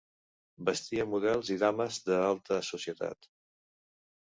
Vestia models i dames de l'alta societat.